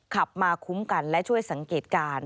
ขับมาคุ้มกันและช่วยสังเกตการณ์